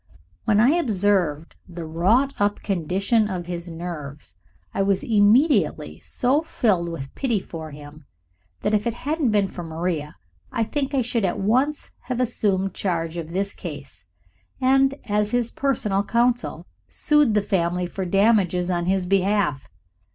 When I observed the wrought up condition of his nerves, I was immediately so filled with pity for him that if it hadn't been for Maria I think I should at once have assumed charge of his case, and, as his personal counsel, sued the family for damages on his behalf.